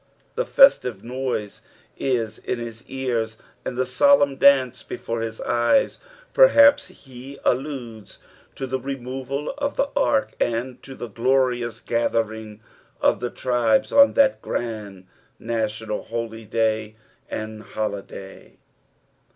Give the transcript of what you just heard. The festive noise is in his ears, and the solemn dance before his eyes. Perhaps be alludes to the removal of the ark and to the glorious gatherings of the tribes on that grand national holy day and holiday.